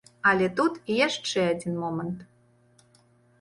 Але тут і яшчэ адзін момант.